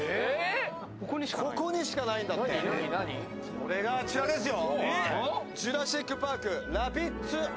それがあちらですよ。